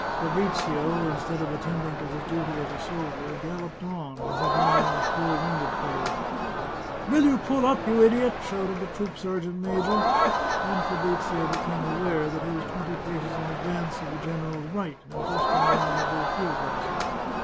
Fabrizio, instead of attend ing to his duty as a soldier, galloped on, with his eye on a poor wounded fellow. " Will you pull up, you idiot ?" shouted the troop ser geant major. Then Fabrizio became aware that he was twenty paces in advance of the generals' right, and just in the line of their field glasses.